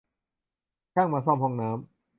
ช่างมาซ่อมห้องน้ำ